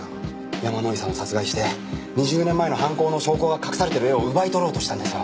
山井さんを殺害して２０年前の犯行の証拠が隠されている絵を奪い取ろうとしたんですよ。